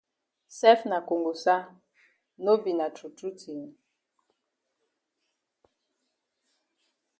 Sef na kongosa no be na true true tin?